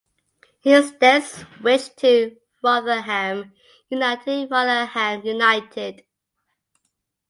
Hinds then switched to Rotherham United Rotherham United.